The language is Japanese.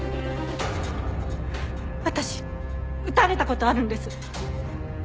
私撃たれた事あるんです。